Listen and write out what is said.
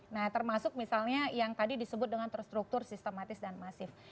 nah termasuk misalnya yang tadi disebut dengan terstruktur sistematis dan masif